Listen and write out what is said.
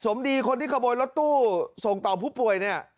สมดีคนที่ขโมยรถตู้ส่งต่อผู้ป่วยเนี่ย